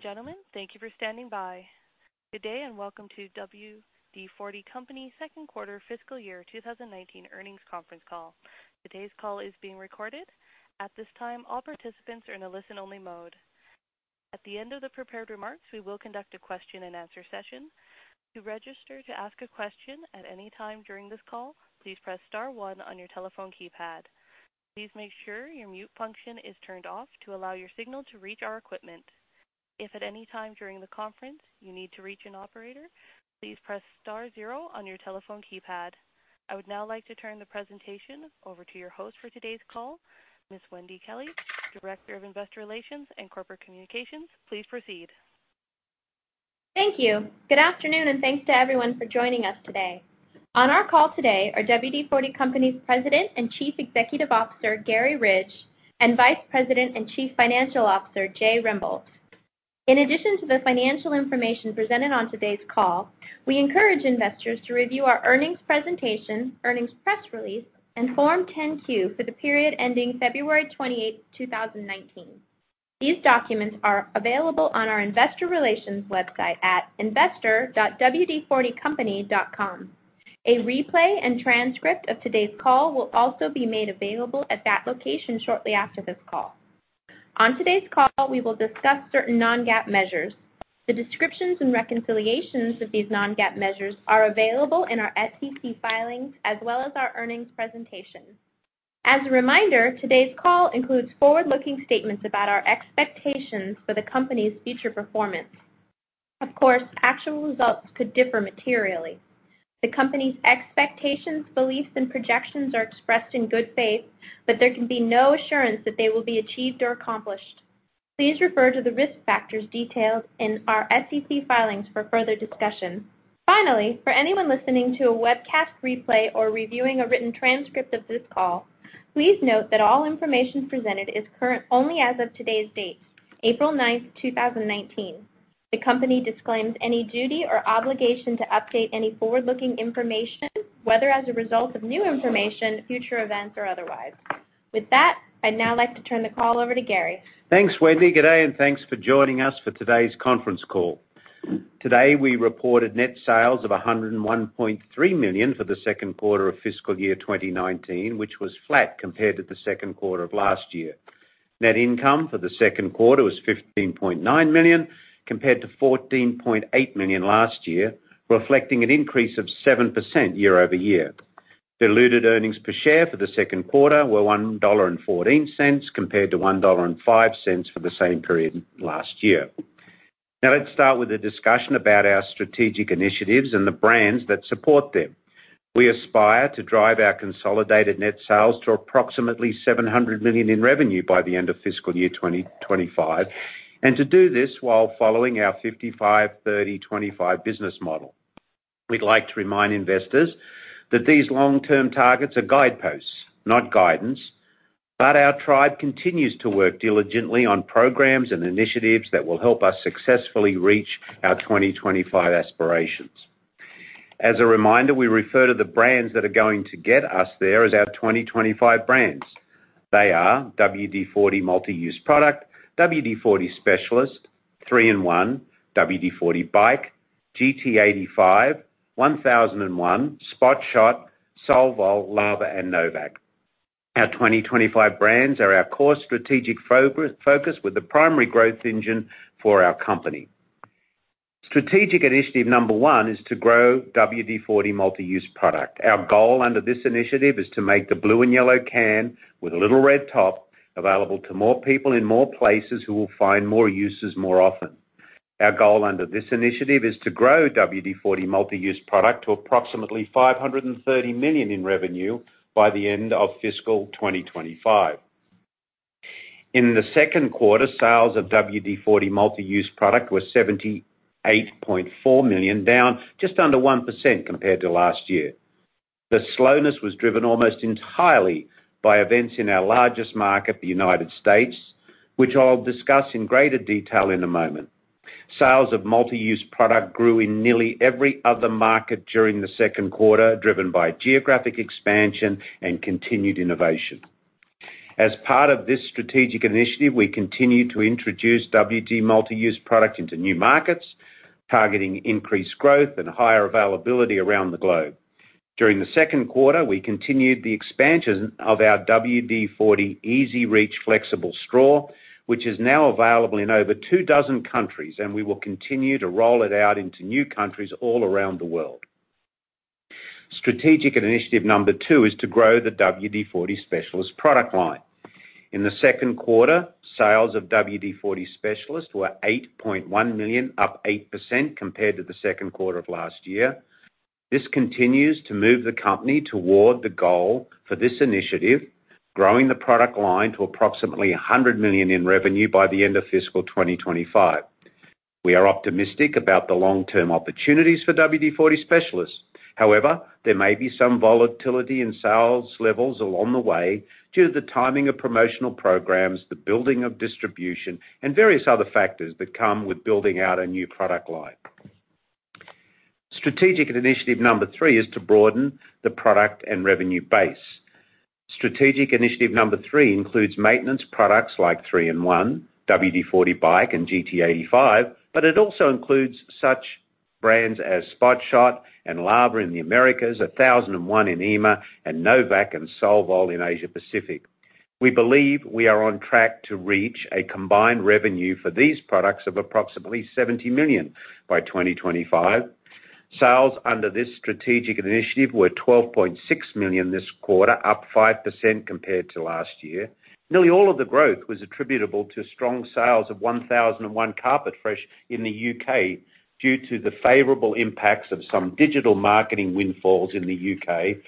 Ladies and gentlemen, thank you for standing by. Good day, welcome to WD-40 Company Second Quarter Fiscal Year 2019 earnings conference call. Today's call is being recorded. At this time, all participants are in a listen-only mode. At the end of the prepared remarks, we will conduct a question and answer session. To register to ask a question at any time during this call, please press star one on your telephone keypad. Please make sure your mute function is turned off to allow your signal to reach our equipment. If at any time during the conference you need to reach an operator, please press star zero on your telephone keypad. I would now like to turn the presentation over to your host for today's call, Ms. Wendy Kelley, Director of Investor Relations and Corporate Communications. Please proceed. Thank you. Good afternoon, thanks to everyone for joining us today. On our call today are WD-40 Company's President and Chief Executive Officer, Garry Ridge, Vice President and Chief Financial Officer, Jay Rembold. In addition to the financial information presented on today's call, we encourage investors to review our earnings presentation, earnings press release, and Form 10-Q for the period ending February 28th, 2019. These documents are available on our investor relations website at investor.wd40company.com. A replay and transcript of today's call will also be made available at that location shortly after this call. On today's call, we will discuss certain non-GAAP measures. The descriptions and reconciliations of these non-GAAP measures are available in our SEC filings as well as our earnings presentation. As a reminder, today's call includes forward-looking statements about our expectations for the company's future performance. Of course, actual results could differ materially. The company's expectations, beliefs, and projections are expressed in good faith, there can be no assurance that they will be achieved or accomplished. Please refer to the risk factors detailed in our SEC filings for further discussion. Finally, for anyone listening to a webcast replay or reviewing a written transcript of this call, please note that all information presented is current only as of today's date, April 9th, 2019. The company disclaims any duty or obligation to update any forward-looking information, whether as a result of new information, future events, or otherwise. With that, I'd now like to turn the call over to Garry. Thanks, Wendy. Good day, thanks for joining us for today's conference call. Today, we reported net sales of $101.3 million for the second quarter of fiscal year 2019, which was flat compared to the second quarter of last year. Net income for the second quarter was $15.9 million, compared to $14.8 million last year, reflecting an increase of 7% year-over-year. Diluted earnings per share for the second quarter were $1.14 compared to $1.05 for the same period last year. Now let's start with a discussion about our strategic initiatives and the brands that support them. We aspire to drive our consolidated net sales to approximately $700 million in revenue by the end of fiscal year 2025, to do this while following our 55/30/25 business model. We'd like to remind investors that these long-term targets are guideposts, not guidance. Our tribe continues to work diligently on programs and initiatives that will help us successfully reach our 2025 aspirations. As a reminder, we refer to the brands that are going to get us there as our 2025 brands. They are WD-40 Multi-Use Product, WD-40 Specialist, 3-IN-ONE, WD-40 BIKE, GT85, 1001, Spot Shot, Solvol, Lava, and no vac. Our 2025 brands are our core strategic focus with the primary growth engine for our company. Strategic initiative number one is to grow WD-40 Multi-Use Product. Our goal under this initiative is to make the blue and yellow can with a little red top available to more people in more places who will find more uses more often. Our goal under this initiative is to grow WD-40 Multi-Use Product to approximately $530 million in revenue by the end of fiscal 2025. In the second quarter, sales of WD-40 Multi-Use Product were $78.4 million, down just under 1% compared to last year. The slowness was driven almost entirely by events in our largest market, the United States, which I'll discuss in greater detail in a moment. Sales of Multi-Use Product grew in nearly every other market during the second quarter, driven by geographic expansion and continued innovation. As part of this strategic initiative, we continue to introduce WD-40 Multi-Use Product into new markets, targeting increased growth and higher availability around the globe. During the second quarter, we continued the expansion of our WD-40 EZ-REACH Flexible Straw, which is now available in over two dozen countries, and we will continue to roll it out into new countries all around the world. Strategic initiative number two is to grow the WD-40 Specialist product line. In the second quarter, sales of WD-40 Specialist were $8.1 million, up 8% compared to the second quarter of last year. This continues to move the company toward the goal for this initiative, growing the product line to approximately $100 million in revenue by the end of fiscal 2025. We are optimistic about the long-term opportunities for WD-40 Specialist. There may be some volatility in sales levels along the way due to the timing of promotional programs, the building of distribution, and various other factors that come with building out a new product line. Strategic initiative number three is to broaden the product and revenue base. Strategic initiative number three includes maintenance products like 3-IN-ONE, WD-40 BIKE, and GT85, but it also includes such brands as Spot Shot and Lava in the Americas, 1001 in EMEA, and No-Vac and Solvol in Asia Pacific. We believe we are on track to reach a combined revenue for these products of approximately $70 million by 2025. Sales under this strategic initiative were $12.6 million this quarter, up 5% compared to last year. Nearly all of the growth was attributable to strong sales of 1001 Carpet Fresh in the U.K. due to the favorable impacts of some digital marketing windfalls in the U.K.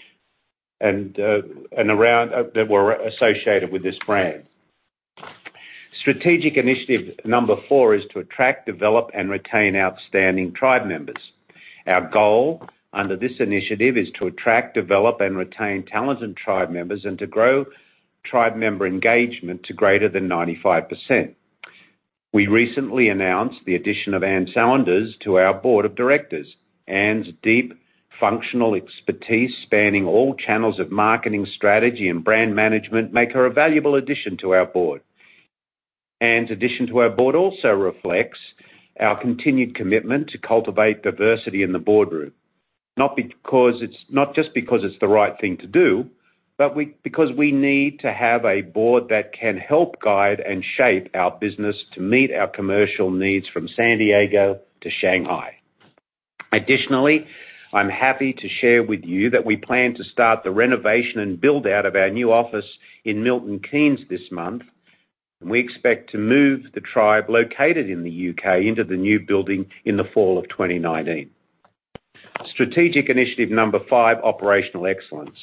that were associated with this brand. Strategic initiative number four is to attract, develop, and retain outstanding tribe members. Our goal under this initiative is to attract, develop, and retain talented tribe members and to grow tribe member engagement to greater than 95%. We recently announced the addition of Anne Saunders to our board of directors. Anne's deep functional expertise spanning all channels of marketing strategy and brand management make her a valuable addition to our board. Anne's addition to our board also reflects our continued commitment to cultivate diversity in the boardroom, not just because it's the right thing to do, but because we need to have a board that can help guide and shape our business to meet our commercial needs from San Diego to Shanghai. Additionally, I'm happy to share with you that we plan to start the renovation and build-out of our new office in Milton Keynes this month. We expect to move the tribe located in the U.K. into the new building in the fall of 2019. Strategic initiative number five, operational excellence.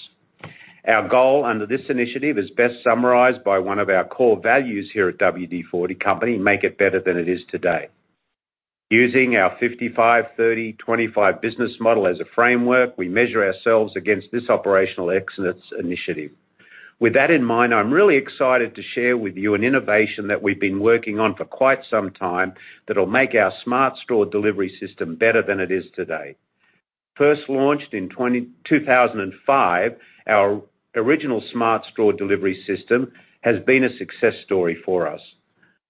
Our goal under this initiative is best summarized by one of our core values here at WD-40 Company, make it better than it is today. Using our 55:30:25 business model as a framework, we measure ourselves against this operational excellence initiative. With that in mind, I'm really excited to share with you an innovation that we've been working on for quite some time that'll make our Smart Straw Delivery System better than it is today. First launched in 2005, our original Smart Straw Delivery System has been a success story for us.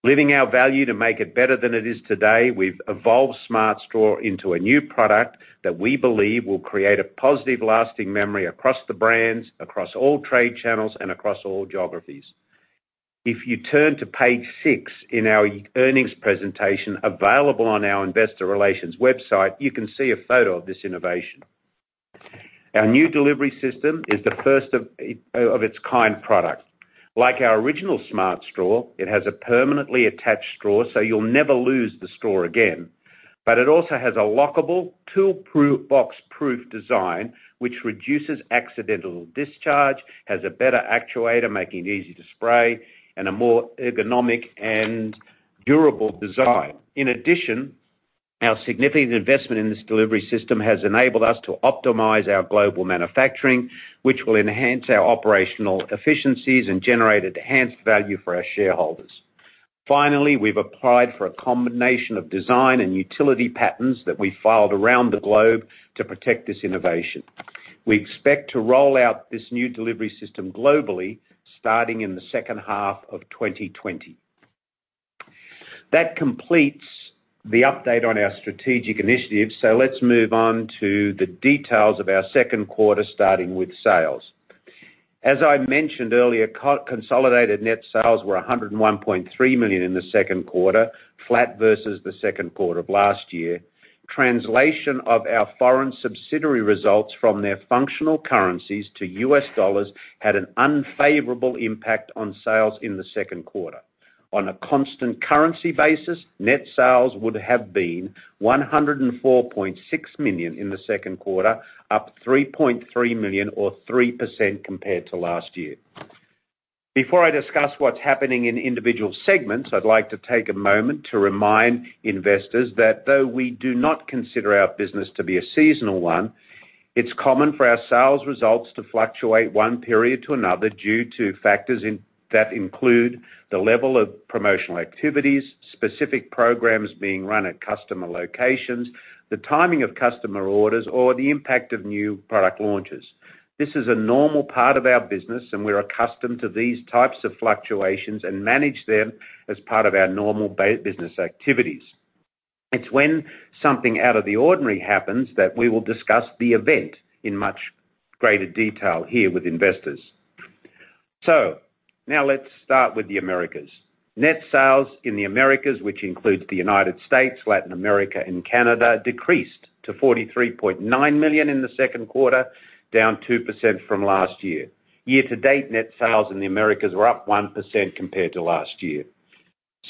Living our value to make it better than it is today, we've evolved Smart Straw into a new product that we believe will create a positive lasting memory across the brands, across all trade channels, and across all geographies. If you turn to page six in our earnings presentation available on our investor relations website, you can see a photo of this innovation. Our new delivery system is the first of its kind product. Like our original Smart Straw, it has a permanently attached straw, so you'll never lose the straw again, but it also has a lockable tool-proof, box-proof design, which reduces accidental discharge, has a better actuator, making it easy to spray, and a more ergonomic and durable design. In addition, our significant investment in this delivery system has enabled us to optimize our global manufacturing, which will enhance our operational efficiencies and generate enhanced value for our shareholders. Finally, we've applied for a combination of design and utility patents that we filed around the globe to protect this innovation. We expect to roll out this new delivery system globally, starting in the second half of 2020. That completes the update on our strategic initiatives. Let's move on to the details of our second quarter, starting with sales. As I mentioned earlier, consolidated net sales were $101.3 million in the second quarter, flat versus the second quarter of last year. Translation of our foreign subsidiary results from their functional currencies to U.S. dollars had an unfavorable impact on sales in the second quarter. On a constant currency basis, net sales would have been $104.6 million in the second quarter, up $3.3 million or 3% compared to last year. Before I discuss what's happening in individual segments, I'd like to take a moment to remind investors that though we do not consider our business to be a seasonal one, it's common for our sales results to fluctuate one period to another due to factors that include the level of promotional activities, specific programs being run at customer locations, the timing of customer orders, or the impact of new product launches. This is a normal part of our business. We're accustomed to these types of fluctuations and manage them as part of our normal business activities. It's when something out of the ordinary happens that we will discuss the event in much greater detail here with investors. Now let's start with the Americas. Net sales in the Americas, which includes the United States, Latin America, and Canada, decreased to $43.9 million in the second quarter, down 2% from last year. Year to date, net sales in the Americas were up 1% compared to last year.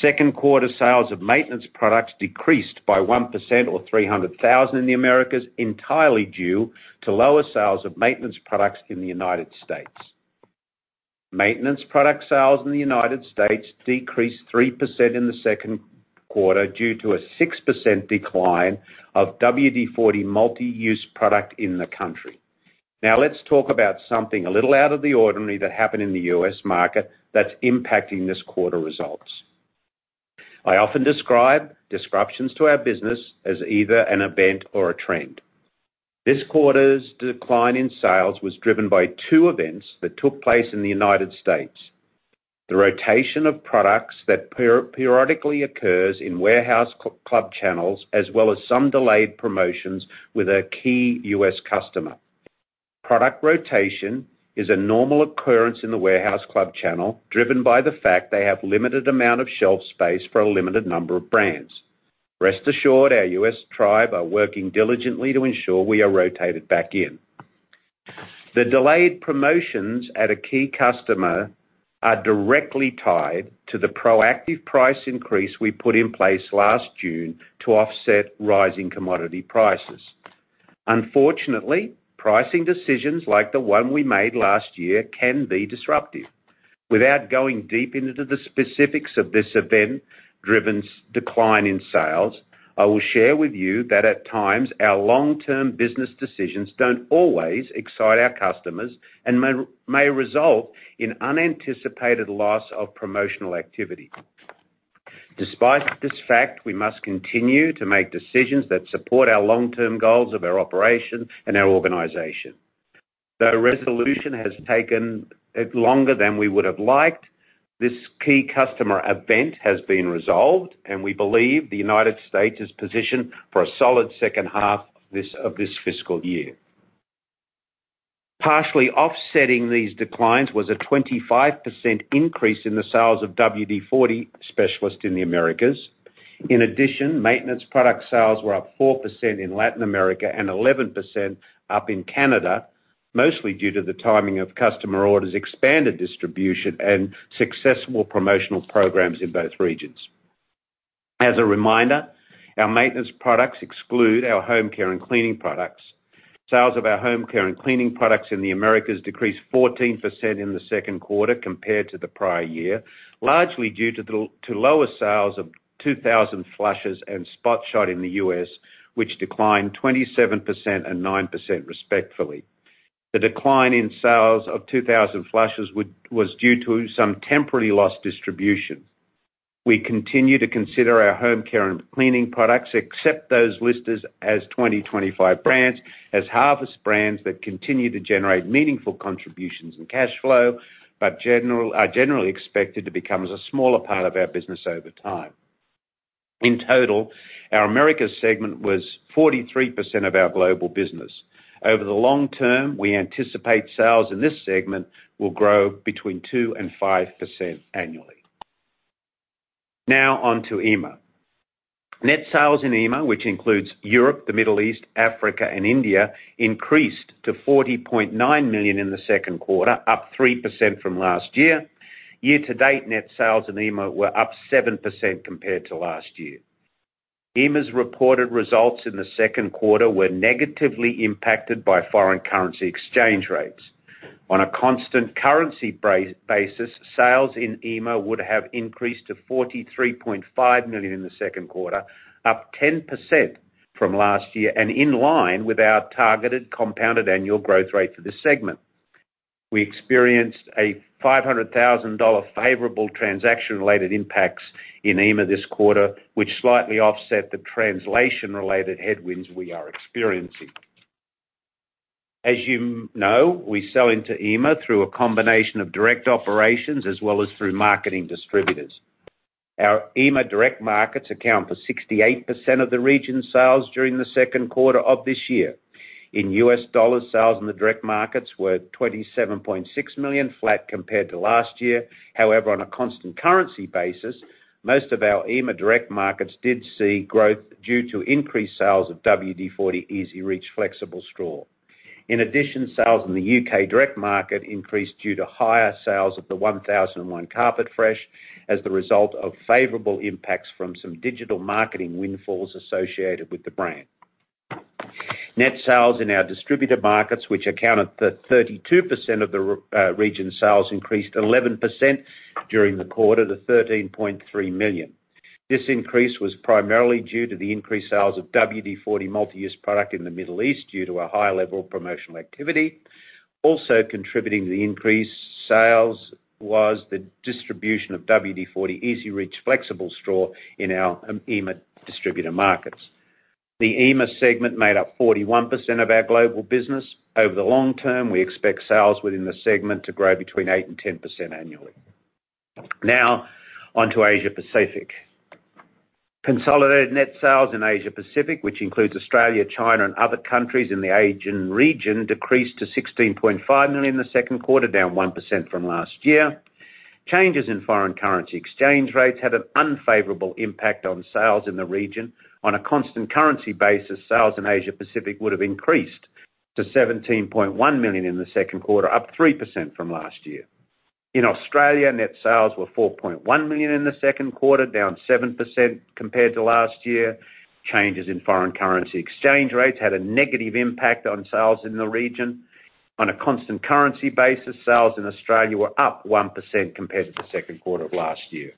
Second quarter sales of maintenance products decreased by 1% or $300,000 in the Americas, entirely due to lower sales of maintenance products in the United States. Maintenance product sales in the United States decreased 3% in the second quarter due to a 6% decline of WD-40 Multi-Use Product in the country. Now let's talk about something a little out of the ordinary that happened in the U.S. market that's impacting this quarter results. I often describe disruptions to our business as either an event or a trend. This quarter's decline in sales was driven by two events that took place in the United States. The rotation of products that periodically occurs in warehouse club channels, as well as some delayed promotions with a key U.S. customer. Product rotation is a normal occurrence in the warehouse club channel, driven by the fact they have limited amount of shelf space for a limited number of brands. Rest assured, our U.S. tribe are working diligently to ensure we are rotated back in. The delayed promotions at a key customer are directly tied to the proactive price increase we put in place last June to offset rising commodity prices. Unfortunately, pricing decisions like the one we made last year can be disruptive. Without going deep into the specifics of this event-driven decline in sales, I will share with you that at times, our long-term business decisions don't always excite our customers and may result in unanticipated loss of promotional activity. Despite this fact, we must continue to make decisions that support our long-term goals of our operation and our organization. The resolution has taken longer than we would have liked. This key customer event has been resolved, and we believe the United States is positioned for a solid second half of this fiscal year. Partially offsetting these declines was a 25% increase in the sales of WD-40 Specialist in the Americas. In addition, maintenance product sales were up 4% in Latin America and 11% up in Canada, mostly due to the timing of customer orders, expanded distribution, and successful promotional programs in both regions. As a reminder, our maintenance products exclude our home care and cleaning products. Sales of our home care and cleaning products in the Americas decreased 14% in the second quarter compared to the prior year, largely due to lower sales of 2000 Flushes and Spot Shot in the U.S., which declined 27% and 9% respectively. The decline in sales of 2000 Flushes was due to some temporary loss distribution. We continue to consider our home care and cleaning products, except those listed as 2025 brands, as harvest brands that continue to generate meaningful contributions and cash flow, but are generally expected to become a smaller part of our business over time. In total, our Americas segment was 43% of our global business. Over the long term, we anticipate sales in this segment will grow between 2% and 5% annually. Now on to EMEA. Net sales in EMEA, which includes Europe, the Middle East, Africa, and India, increased to $40.9 million in the second quarter, up 3% from last year. Year to date, net sales in EMEA were up 7% compared to last year. EMEA's reported results in the second quarter were negatively impacted by foreign currency exchange rates. On a constant currency basis, sales in EMEA would have increased to $43.5 million in the second quarter, up 10% from last year and in line with our targeted compounded annual growth rate for this segment. We experienced a $500,000 favorable transaction-related impacts in EMEA this quarter, which slightly offset the translation-related headwinds we are experiencing. As you know, we sell into EMEA through a combination of direct operations as well as through marketing distributors. Our EMEA direct markets account for 68% of the region's sales during the second quarter of this year. In U.S. dollars, sales in the direct markets were $27.6 million, flat compared to last year. However, on a constant currency basis, most of our EMEA direct markets did see growth due to increased sales of WD-40 EZ-REACH Flexible Straw. In addition, sales in the U.K. direct market increased due to higher sales of the 1001 Carpet Fresh as the result of favorable impacts from some digital marketing windfalls associated with the brand. Net sales in our distributor markets, which accounted for 32% of the region's sales, increased 11% during the quarter to $13.3 million. This increase was primarily due to the increased sales of WD-40 Multi-Use Product in the Middle East due to a higher level of promotional activity. Also contributing to the increased sales was the distribution of WD-40 EZ-REACH Flexible Straw in our EMEA distributor markets. The EMEA segment made up 41% of our global business. Over the long term, we expect sales within the segment to grow between 8% and 10% annually. Now on to Asia Pacific. Consolidated net sales in Asia Pacific, which includes Australia, China, and other countries in the Asian region, decreased to $16.5 million in the second quarter, down 1% from last year. Changes in foreign currency exchange rates had an unfavorable impact on sales in the region. On a constant currency basis, sales in Asia Pacific would have increased to $17.1 million in the second quarter, up 3% from last year. In Australia, net sales were $4.1 million in the second quarter, down 7% compared to last year. Changes in foreign currency exchange rates had a negative impact on sales in the region. On a constant currency basis, sales in Australia were up 1% compared to the second quarter of last year.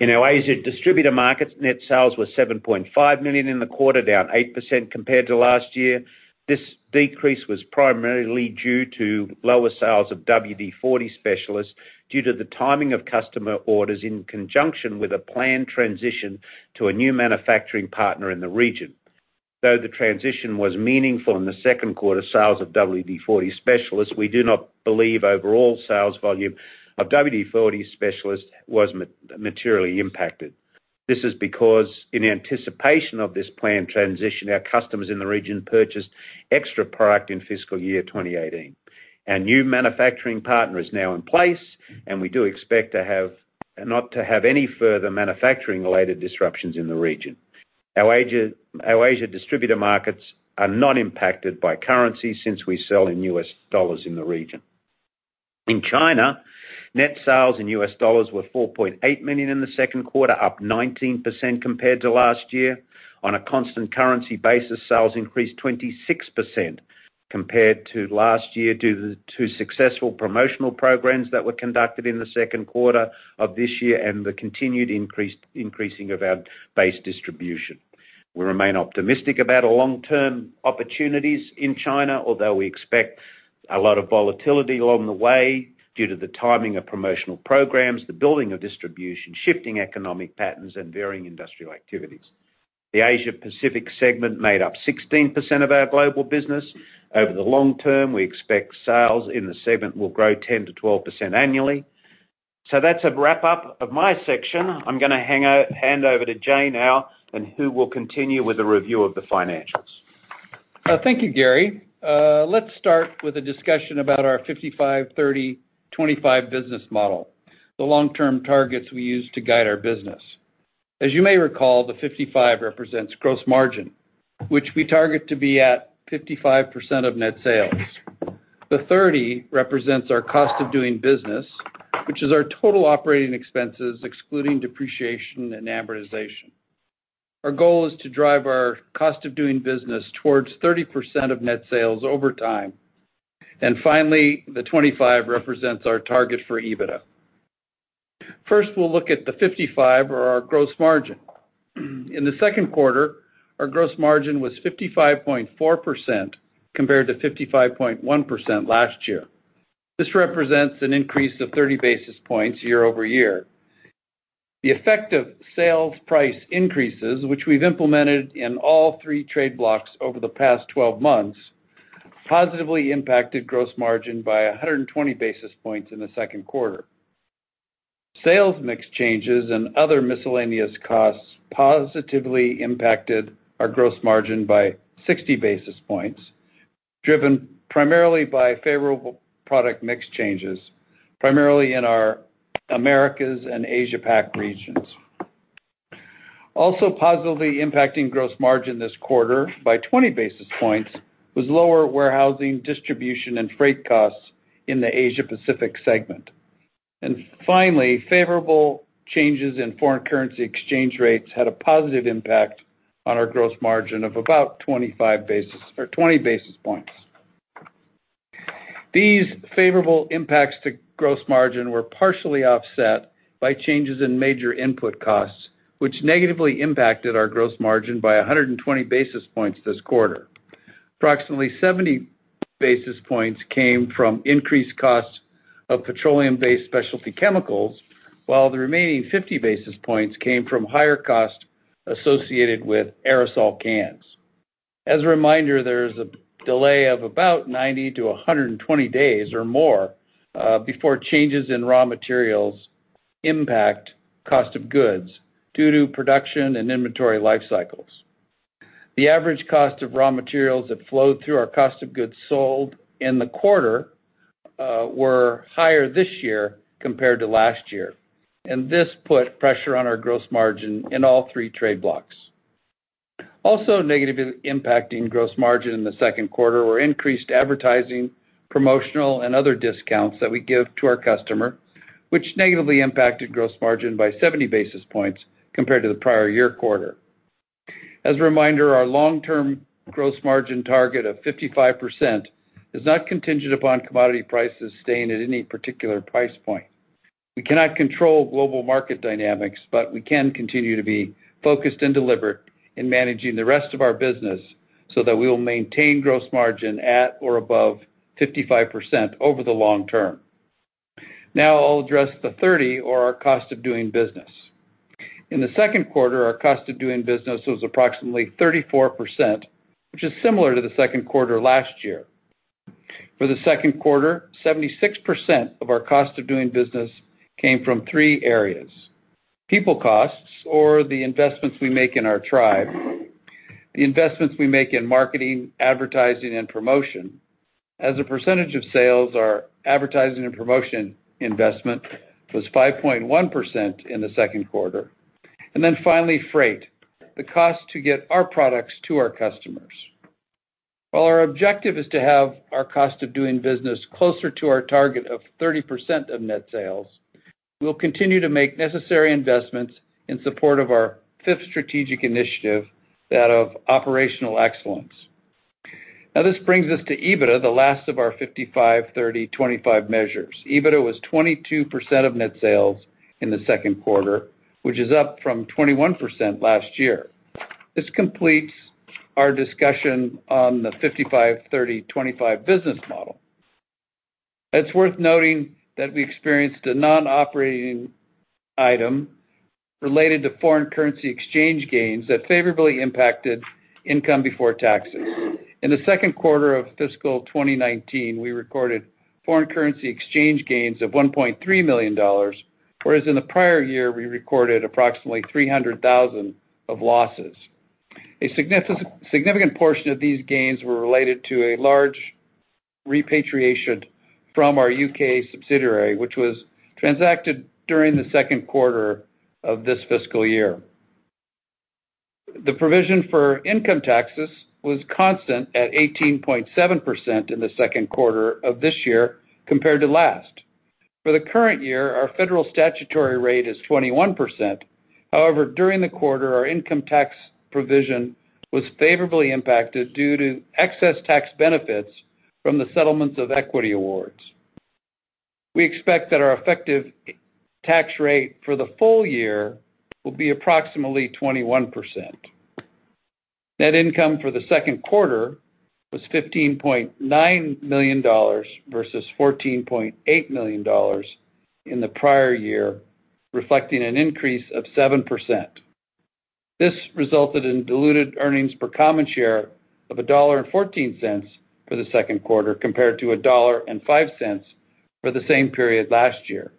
In our Asia distributor markets, net sales were $7.5 million in the quarter, down 8% compared to last year. This decrease was primarily due to lower sales of WD-40 Specialist due to the timing of customer orders in conjunction with a planned transition to a new manufacturing partner in the region. Though the transition was meaningful in the second quarter sales of WD-40 Specialist, we do not believe overall sales volume of WD-40 Specialist was materially impacted. This is because in anticipation of this planned transition, our customers in the region purchased extra product in fiscal year 2018. Our new manufacturing partner is now in place, and we do not expect to have any further manufacturing-related disruptions in the region. Our Asia distributor markets are not impacted by currency since we sell in U.S. dollars in the region. In China, net sales in U.S. dollars were $4.8 million in the second quarter, up 19% compared to last year. On a constant currency basis, sales increased 26% compared to last year due to successful promotional programs that were conducted in the second quarter of this year and the continued increasing of our base distribution. We remain optimistic about our long-term opportunities in China, although we expect a lot of volatility along the way due to the timing of promotional programs, the building of distribution, shifting economic patterns, and varying industrial activities. The Asia Pacific segment made up 16% of our global business. Over the long term, we expect sales in the segment will grow 10%-12% annually. That's a wrap-up of my section. I'm going to hand over to Jay now, who will continue with the review of the financials. Thank you, Garry. Let's start with a discussion about our 55/30/25 business model, the long-term targets we use to guide our business. As you may recall, the 55 represents gross margin, which we target to be at 55% of net sales. The 30 represents our cost of doing business, which is our total operating expenses, excluding depreciation and amortization. Our goal is to drive our cost of doing business towards 30% of net sales over time. Finally, the 25 represents our target for EBITDA. First, we'll look at the 55 or our gross margin. In the second quarter, our gross margin was 55.4% compared to 55.1% last year. This represents an increase of 30 basis points year-over-year. The effect of sales price increases, which we've implemented in all three trade blocks over the past 12 months, positively impacted gross margin by 120 basis points in the second quarter. Sales mix changes and other miscellaneous costs positively impacted our gross margin by 60 basis points, driven primarily by favorable product mix changes, primarily in our Americas and Asia Pac regions. Also positively impacting gross margin this quarter by 20 basis points was lower warehousing, distribution, and freight costs in the Asia Pacific segment. Finally, favorable changes in foreign currency exchange rates had a positive impact on our gross margin of about 20 basis points. These favorable impacts to gross margin were partially offset by changes in major input costs, which negatively impacted our gross margin by 120 basis points this quarter. Approximately 70 basis points came from increased costs of petroleum-based specialty chemicals, while the remaining 50 basis points came from higher costs associated with aerosol cans. As a reminder, there is a delay of about 90-120 days or more, before changes in raw materials impact cost of goods due to production and inventory life cycles. The average cost of raw materials that flowed through our cost of goods sold in the quarter were higher this year compared to last year, and this put pressure on our gross margin in all three trade blocks. Also negatively impacting gross margin in the second quarter were increased advertising, promotional, and other discounts that we give to our customer, which negatively impacted gross margin by 70 basis points compared to the prior year quarter. As a reminder, our long-term gross margin target of 55% is not contingent upon commodity prices staying at any particular price point. We cannot control global market dynamics, but we can continue to be focused and deliberate in managing the rest of our business so that we will maintain gross margin at or above 55% over the long term. Now I'll address the 30, or our cost of doing business. In the second quarter, our cost of doing business was approximately 34%, which is similar to the second quarter last year. For the second quarter, 76% of our cost of doing business came from three areas. People costs or the investments we make in our tribe, the investments we make in marketing, advertising, and promotion. As a percentage of sales, our advertising and promotion investment was 5.1% in the second quarter. Finally, freight, the cost to get our products to our customers. While our objective is to have our cost of doing business closer to our target of 30% of net sales, we'll continue to make necessary investments in support of our fifth strategic initiative, that of operational excellence. This brings us to EBITDA, the last of our 55/30/25 measures. EBITDA was 22% of net sales in the second quarter, which is up from 21% last year. This completes our discussion on the 55/30/25 business model. It's worth noting that we experienced a non-operating item related to foreign currency exchange gains that favorably impacted income before taxes. In the second quarter of fiscal 2019, we recorded foreign currency exchange gains of $1.3 million, whereas in the prior year, we recorded approximately $300,000 of losses. A significant portion of these gains were related to a large repatriation from our U.K. subsidiary, which was transacted during the second quarter of this fiscal year. The provision for income taxes was constant at 18.7% in the second quarter of this year compared to last. For the current year, our federal statutory rate is 21%. However, during the quarter, our income tax provision was favorably impacted due to excess tax benefits from the settlements of equity awards. We expect that our effective tax rate for the full year will be approximately 21%. Net income for the second quarter was $15.9 million versus $14.8 million in the prior year, reflecting an increase of 7%. This resulted in diluted earnings per common share of $1.14 for the second quarter, compared to $1.05 for the same period last year.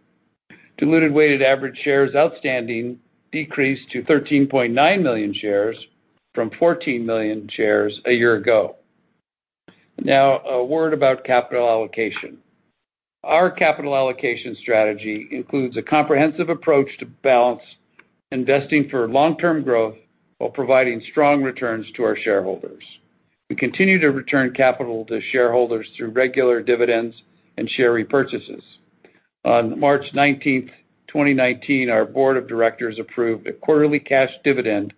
A word about capital allocation. Our capital allocation strategy includes a comprehensive approach to balance investing for long-term growth while providing strong returns to our shareholders. We continue to return capital to shareholders through regular dividends and share repurchases. On March 19th, 2019, our board of directors approved a quarterly cash dividend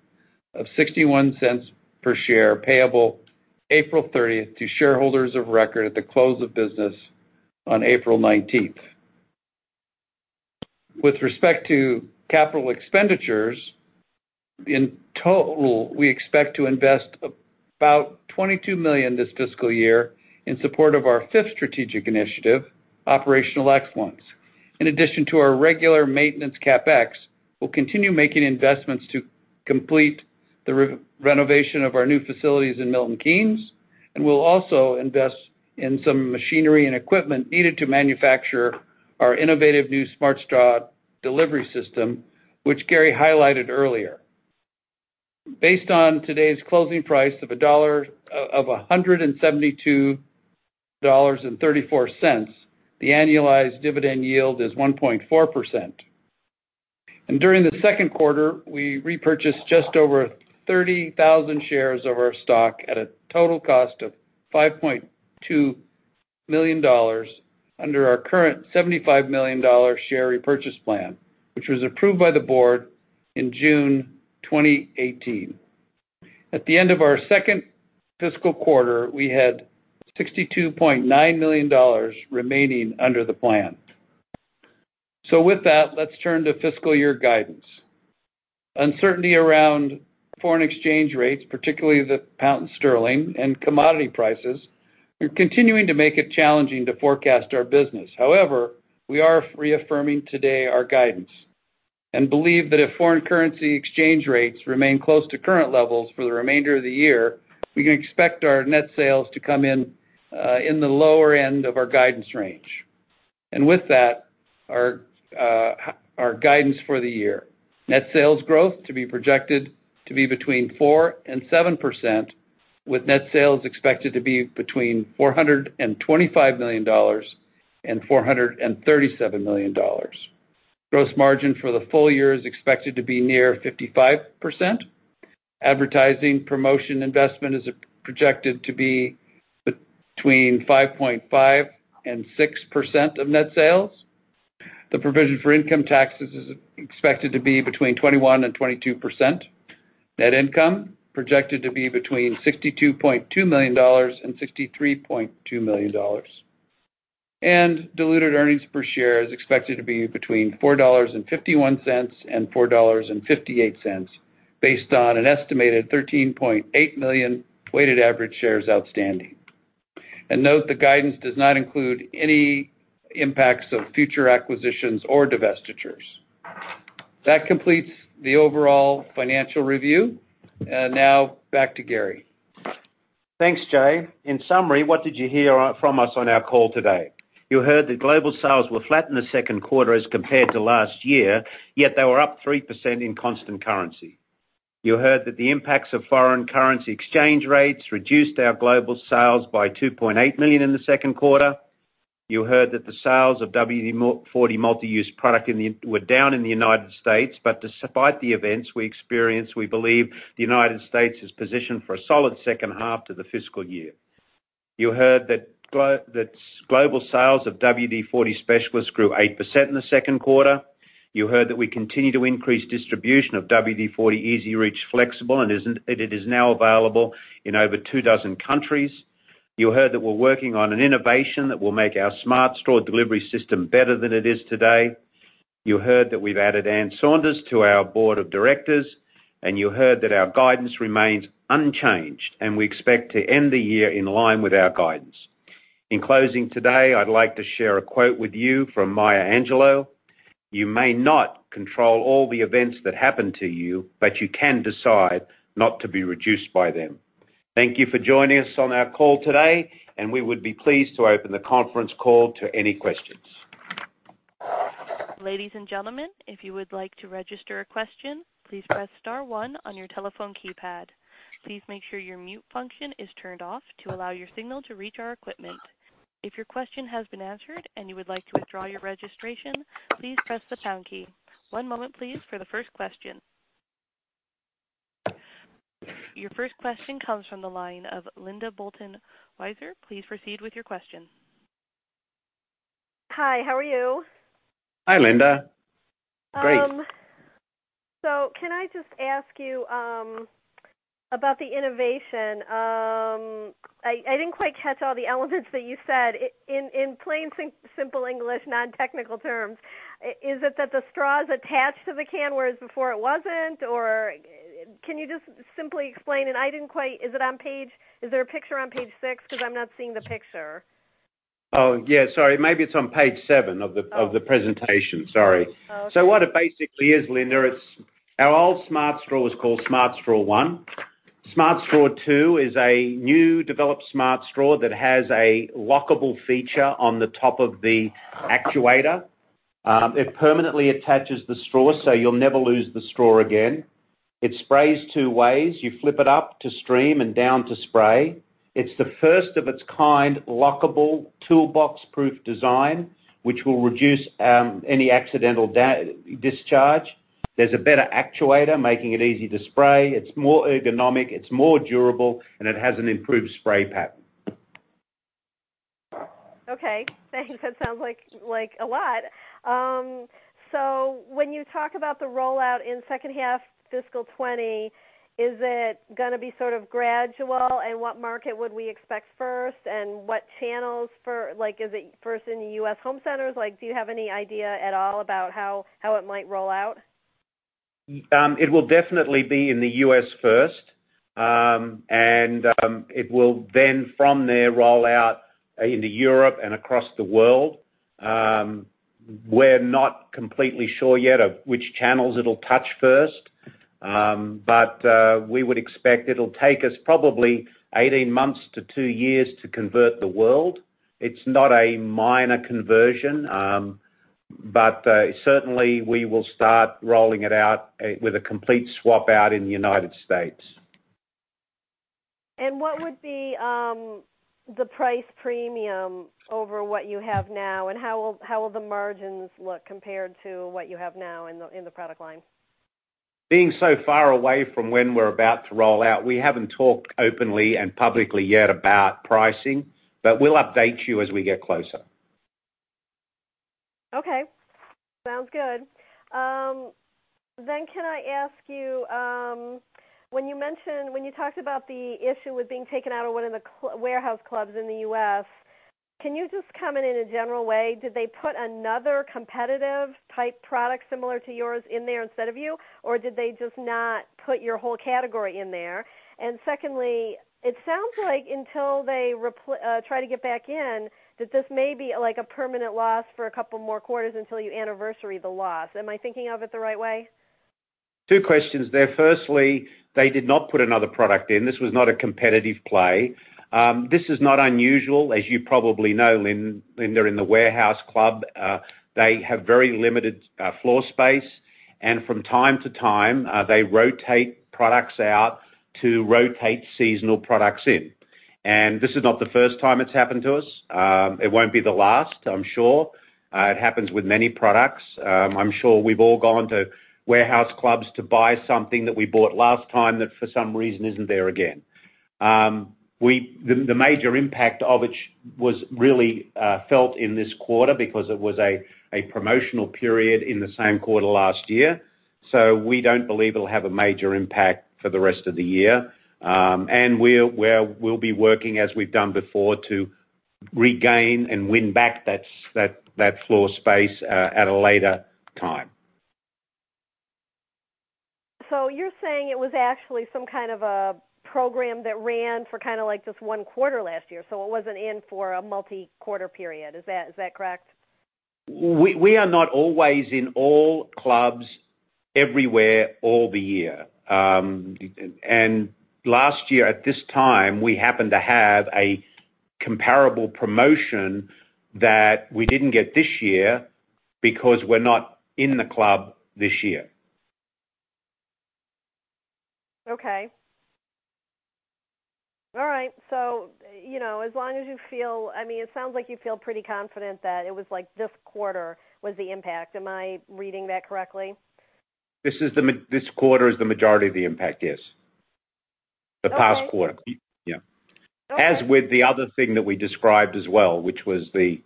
of $0.61 per share, payable April 30th to shareholders of record at the close of business on April 19th. With respect to capital expenditures, in total, we expect to invest about $22 million this fiscal year in support of our fifth strategic initiative, operational excellence. In addition to our regular maintenance CapEx, we'll continue making investments to complete the renovation of our new facilities in Milton Keynes, and we'll also invest in some machinery and equipment needed to manufacture our innovative new Smart Straw Delivery System, which Garry highlighted earlier. Based on today's closing price of $172.34, the annualized dividend yield is 1.4%. During the second quarter, we repurchased just over 30,000 shares of our stock at a total cost of $5.2 million under our current $75 million share repurchase plan, which was approved by the board in June 2018. At the end of our second fiscal quarter, we had $62.9 million remaining under the plan. With that, let's turn to fiscal year guidance. Uncertainty around foreign exchange rates, particularly the pound sterling and commodity prices, are continuing to make it challenging to forecast our business. We are reaffirming today our guidance and believe that if foreign currency exchange rates remain close to current levels for the remainder of the year, we can expect our net sales to come in the lower end of our guidance range. With that, our guidance for the year. Net sales growth to be projected to be between 4%-7%, with net sales expected to be between $425 million-$437 million. Gross margin for the full year is expected to be near 55%. Advertising promotion investment is projected to be between 5.5%-6% of net sales. The provision for income taxes is expected to be between 21%-22%. Net income projected to be between $62.2 million-$63.2 million. Diluted earnings per share is expected to be between $4.51-$4.58, based on an estimated 13.8 million weighted average shares outstanding. note the guidance does not include any impacts of future acquisitions or divestitures. That completes the overall financial review. Now, back to Garry. Thanks, Jay. In summary, what did you hear from us on our call today? You heard that global sales were flat in the second quarter as compared to last year, yet they were up 3% in constant currency. You heard that the impacts of foreign currency exchange rates reduced our global sales by $2.8 million in the second quarter. You heard that the sales of WD-40 Multi-Use Product were down in the U.S., but despite the events we experienced, we believe the U.S. is positioned for a solid second half to the fiscal year. You heard that global sales of WD-40 Specialist grew 8% in the second quarter. You heard that we continue to increase distribution of WD-40 EZ-REACH Flexible, and it is now available in over two dozen countries. You heard that we're working on an innovation that will make our Smart Straw Delivery System better than it is today. You heard that we've added Anne Saunders to our board of directors. You heard that our guidance remains unchanged. We expect to end the year in line with our guidance. In closing today, I'd like to share a quote with you from Maya Angelou, "You may not control all the events that happen to you, but you can decide not to be reduced by them." Thank you for joining us on our call today. We would be pleased to open the conference call to any questions. Ladies and gentlemen, if you would like to register a question, please press star one on your telephone keypad. Please make sure your mute function is turned off to allow your signal to reach our equipment. If your question has been answered and you would like to withdraw your registration, please press the pound key. One moment, please, for the first question. Your first question comes from the line of Linda Bolton-Weiser. Please proceed with your question. Hi, how are you? Hi, Linda. Great. Can I just ask you about the innovation? I didn't quite catch all the elements that you said. In plain, simple English, non-technical terms, is it that the straw's attached to the can, whereas before it wasn't? Or can you just simply explain? Is there a picture on page six? Because I'm not seeing the picture. Yeah, sorry. Maybe it's on page seven of the presentation. Sorry. Okay. What it basically is, Linda, our old Smart Straw was called Smart Straw One. Smart Straw Two is a new developed Smart Straw that has a lockable feature on the top of the actuator. It permanently attaches the straw, so you'll never lose the straw again. It sprays two ways. You flip it up to stream and down to spray. It's the first of its kind lockable toolbox-proof design, which will reduce any accidental discharge. There's a better actuator making it easy to spray. It's more ergonomic, it's more durable, and it has an improved spray pattern. Okay, thanks. That sounds like a lot. When you talk about the rollout in second half fiscal 2020, is it going to be sort of gradual, and what market would we expect first, and what channels? Is it first in the U.S. home centers? Do you have any idea at all about how it might roll out? It will definitely be in the U.S. first. It will then, from there, roll out into Europe and across the world. We're not completely sure yet of which channels it'll touch first. We would expect it'll take us probably 18 months to two years to convert the world. It's not a minor conversion. Certainly we will start rolling it out with a complete swap out in the United States. What would be the price premium over what you have now, and how will the margins look compared to what you have now in the product line? Being so far away from when we're about to roll out, we haven't talked openly and publicly yet about pricing. We'll update you as we get closer. Okay, sounds good. Can I ask you, when you talked about the issue with being taken out of one of the warehouse clubs in the U.S., can you just comment in a general way, did they put another competitive type product similar to yours in there instead of you, or did they just not put your whole category in there? Secondly, it sounds like until they try to get back in, that this may be a permanent loss for a couple more quarters until you anniversary the loss. Am I thinking of it the right way? Two questions there. Firstly, they did not put another product in. This was not a competitive play. This is not unusual, as you probably know, Linda, in the warehouse club, they have very limited floor space, and from time to time, they rotate products out to rotate seasonal products in. This is not the first time it's happened to us. It won't be the last, I'm sure. It happens with many products. I'm sure we've all gone to warehouse clubs to buy something that we bought last time that for some reason isn't there again. The major impact of it was really felt in this quarter because it was a promotional period in the same quarter last year. We don't believe it'll have a major impact for the rest of the year. We'll be working as we've done before to regain and win back that floor space at a later time. You are saying it was actually some kind of a program that ran for this one quarter last year, so it wasn't in for a multi-quarter period. Is that correct? We are not always in all clubs everywhere all the year. Last year at this time, we happened to have a comparable promotion that we did not get this year because we are not in the club this year. Okay. All right. It sounds like you feel pretty confident that it was this quarter was the impact. Am I reading that correctly? This quarter is the majority of the impact, yes. Okay. The past quarter. Yeah. Okay. As with the other thing that we described as well, which was the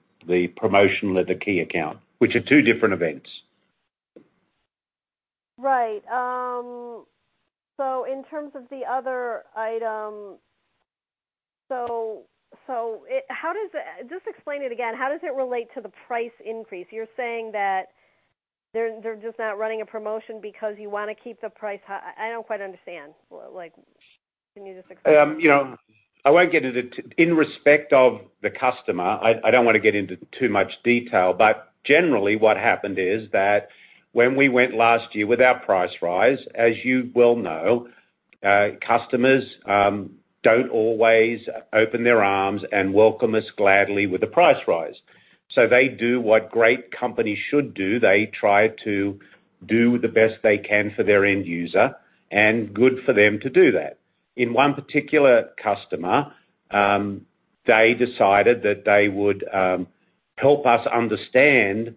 promotion at the key account, which are two different events. Right. In terms of the other item, just explain it again. How does it relate to the price increase? You're saying that they're just not running a promotion because you want to keep the price high? I don't quite understand. Can you just explain? In respect of the customer, I don't want to get into too much detail, but generally what happened is that when we went last year with our price rise, as you well know, customers don't always open their arms and welcome us gladly with a price rise. They do what great companies should do. They try to do the best they can for their end user, and good for them to do that. In one particular customer, they decided that they would help us understand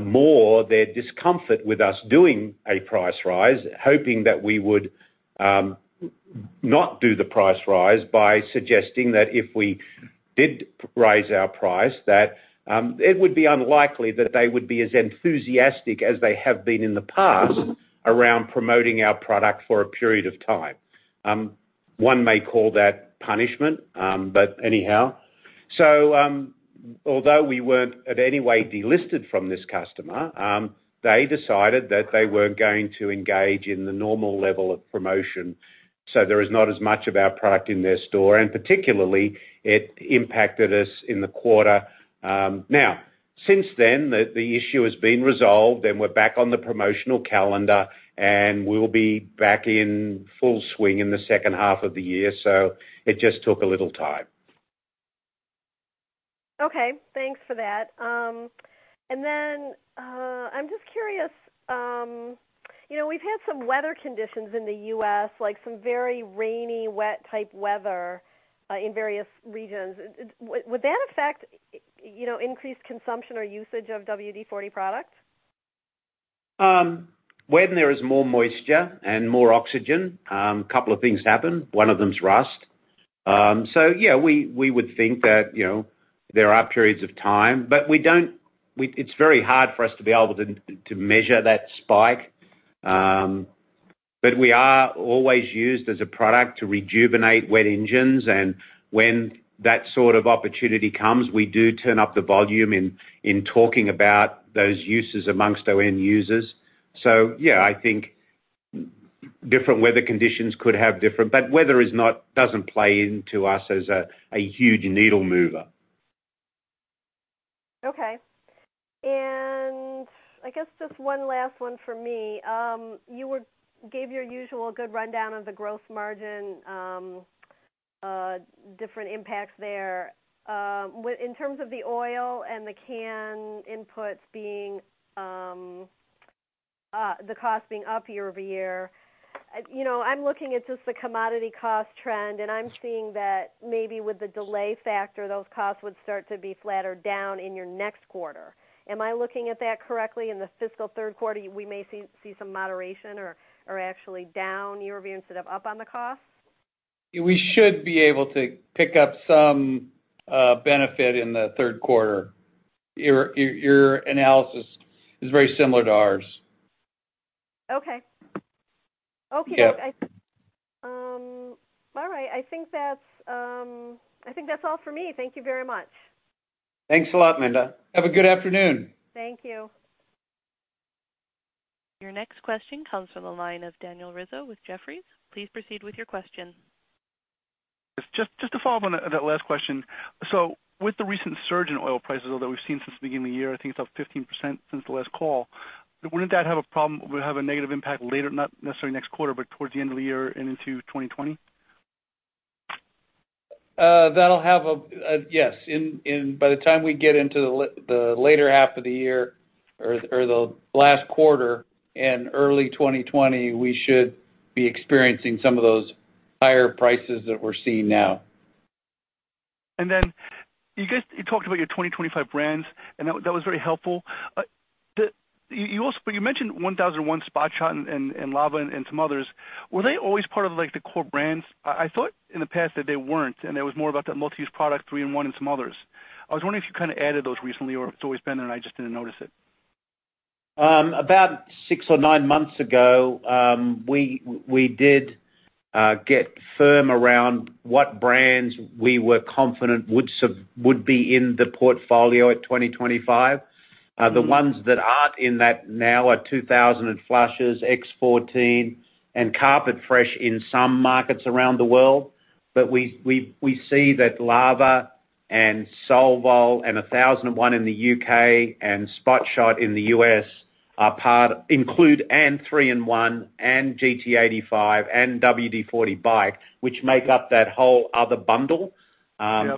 more their discomfort with us doing a price rise, hoping that we would not do the price rise by suggesting that if we did raise our price, that it would be unlikely that they would be as enthusiastic as they have been in the past around promoting our product for a period of time. One may call that punishment, anyhow. Although we weren't at any way delisted from this customer, they decided that they weren't going to engage in the normal level of promotion, there is not as much of our product in their store. Particularly, it impacted us in the quarter. Since then, the issue has been resolved, we're back on the promotional calendar, and we'll be back in full swing in the second half of the year. It just took a little time. Okay, thanks for that. I'm just curious, we've had some weather conditions in the U.S., like some very rainy, wet type weather, in various regions. Would that affect increased consumption or usage of WD-40 products? When there is more moisture and more oxygen, couple of things happen. One of them is rust. Yeah, we would think that there are periods of time, it's very hard for us to be able to measure that spike. We are always used as a product to rejuvenate wet engines, when that sort of opportunity comes, we do turn up the volume in talking about those uses amongst our end users. Yeah, I think different weather conditions could have different. Weather doesn't play into us as a huge needle mover. Okay. I guess just one last one for me. You gave your usual good rundown of the Gross Margin, different impacts there. In terms of the oil and the can inputs, the cost being up year-over-year, I'm looking at just the commodity cost trend, I'm seeing that maybe with the delay factor, those costs would start to be flatter down in your next quarter. Am I looking at that correctly? In the fiscal third quarter, we may see some moderation or actually down year-over-year instead of up on the cost? We should be able to pick up some benefit in the third quarter. Your analysis is very similar to ours. Okay. Yep. All right. I think that's all for me. Thank you very much. Thanks a lot, Linda. Have a good afternoon. Thank you. Your next question comes from the line of Daniel Rizzo with Jefferies. Please proceed with your question. Just to follow up on that last question. With the recent surge in oil prices, although we've seen since the beginning of the year, I think it's up 15% since the last call, wouldn't that have a negative impact later, not necessarily next quarter, but towards the end of the year and into 2020? Yes. By the time we get into the later half of the year or the last quarter and early 2020, we should be experiencing some of those higher prices that we're seeing now. You guys, you talked about your 2025 brands, and that was very helpful. You mentioned 1001, Spot Shot, and Lava, and some others. Were they always part of the core brands? I thought in the past that they weren't, and it was more about that Multi-Use Product, 3-IN-ONE and some others. I was wondering if you kind of added those recently, or if it's always been there and I just didn't notice it. About six or nine months ago, we did get firm around what brands we were confident would be in the portfolio at 2025. The ones that aren't in that now are 2000 Flushes, X-14, and Carpet Fresh in some markets around the world. We see that Lava and Solvol and 1001 in the U.K. and Spot Shot in the U.S. include, and 3-IN-ONE and GT85 and WD-40 BIKE, which make up that whole other bundle- Yep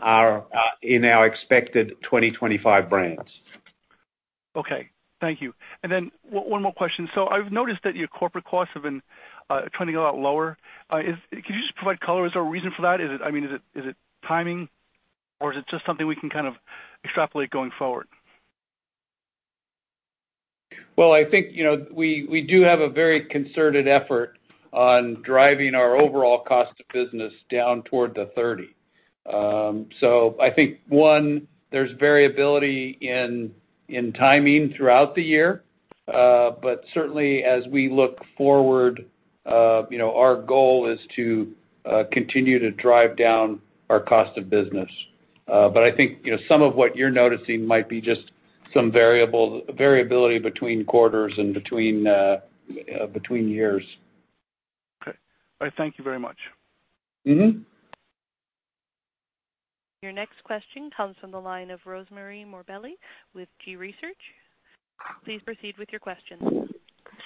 are in our expected 2025 brands. Okay, thank you. One more question. I've noticed that your corporate costs have been trending a lot lower. Could you just provide color? Is there a reason for that? Is it timing or is it just something we can kind of extrapolate going forward? I think, we do have a very concerted effort on driving our overall cost of business down toward the 30%. I think there's variability in timing throughout the year. Certainly as we look forward, our goal is to continue to drive down our cost of business. I think, some of what you're noticing might be just some variability between quarters and between years. Okay. All right. Thank you very much. Mm-hmm. Your next question comes from the line of Rosemary Morbelli with G.research. Please proceed with your question.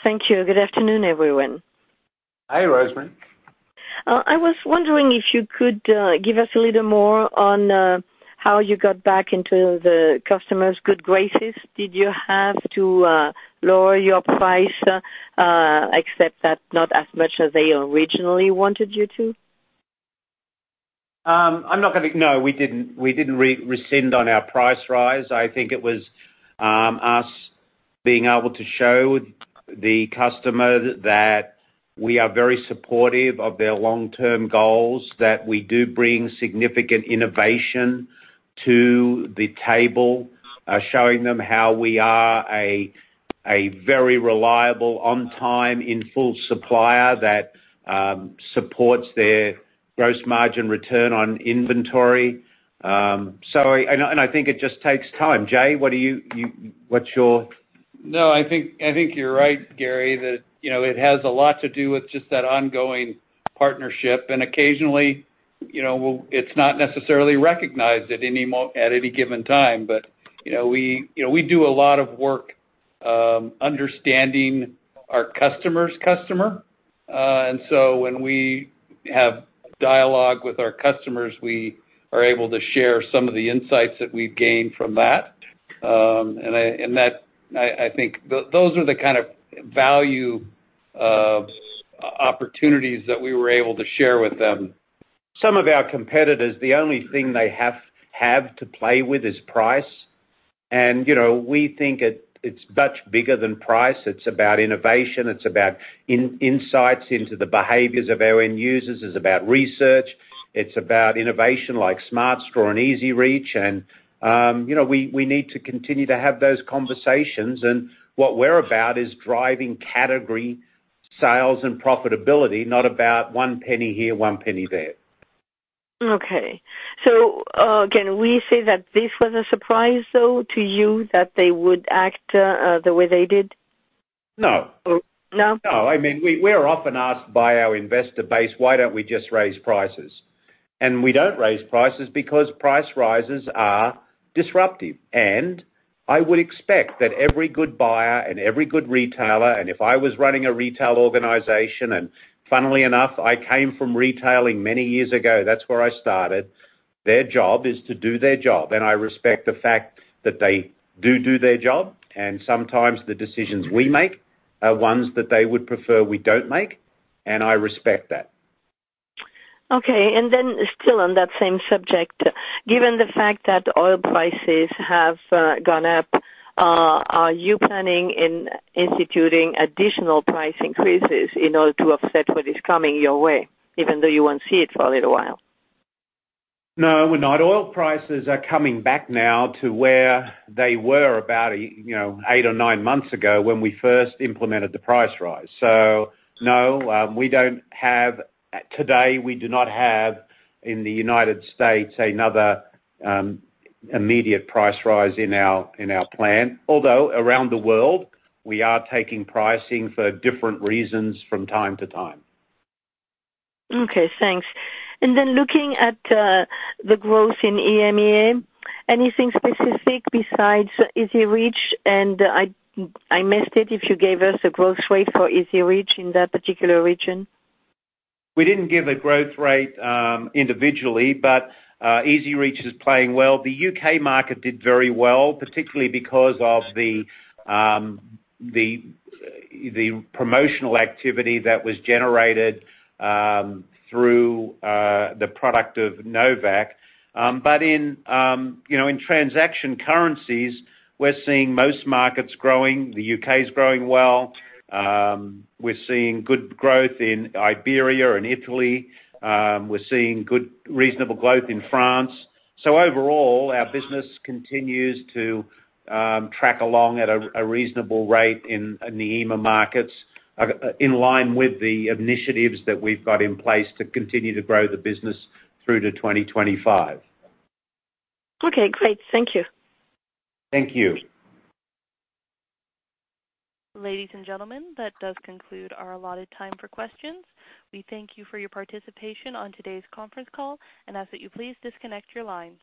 Thank you. Good afternoon, everyone. Hi, Rosemary. I was wondering if you could give us a little more on how you got back into the customers' good graces. Did you have to lower your price, except that not as much as they originally wanted you to? No, we didn't rescind on our price rise. I think it was us being able to show the customer that we are very supportive of their long-term goals, that we do bring significant innovation to the table, showing them how we are a very reliable, on time, in full supplier that supports their gross margin return on inventory. I think it just takes time. Jay, what's your No, I think you're right, Garry, that it has a lot to do with just that ongoing partnership. Occasionally, it's not necessarily recognized at any given time. We do a lot of work understanding our customer's customer. So when we have dialogue with our customers, we are able to share some of the insights that we've gained from that. I think those are the kind of value of opportunities that we were able to share with them. Some of our competitors, the only thing they have to play with is price. We think it's much bigger than price. It's about innovation. It's about insights into the behaviors of our end users. It's about research. It's about innovation like Smart Straw and EZ-REACH and we need to continue to have those conversations. What we're about is driving category sales and profitability, not about one penny here, one penny there. Okay. Can we say that this was a surprise, though, to you, that they would act, the way they did? No. No? No, I mean, we're often asked by our investor base, why don't we just raise prices? We don't raise prices because price rises are disruptive. I would expect that every good buyer and every good retailer, and if I was running a retail organization, and funnily enough, I came from retailing many years ago, that's where I started. Their job is to do their job, and I respect the fact that they do their job, and sometimes the decisions we make are ones that they would prefer we don't make, and I respect that. Okay. Still on that same subject, given the fact that oil prices have gone up, are you planning in instituting additional price increases in order to offset what is coming your way, even though you won't see it for a little while? No, we're not. Oil prices are coming back now to where they were about eight or nine months ago when we first implemented the price rise. No, today, we do not have, in the United States, another immediate price rise in our plan. Around the world, we are taking pricing for different reasons from time to time. Okay, thanks. Looking at the growth in EMEA, anything specific besides EZ-REACH? I missed it if you gave us a growth rate for EZ-REACH in that particular region. We didn't give a growth rate individually. EZ-REACH is playing well. The U.K. market did very well, particularly because of the promotional activity that was generated through the product of No-Vac. In transaction currencies, we're seeing most markets growing. The U.K.'s growing well. We're seeing good growth in Iberia and Italy. We're seeing good, reasonable growth in France. Overall, our business continues to track along at a reasonable rate in the EMEA markets, in line with the initiatives that we've got in place to continue to grow the business through to 2025. Okay, great. Thank you. Thank you. Ladies and gentlemen, that does conclude our allotted time for questions. We thank you for your participation on today's conference call and ask that you please disconnect your line.